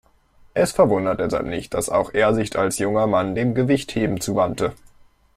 Es verwundert deshalb nicht, dass auch er sich als junger Mann dem Gewichtheben zuwandte.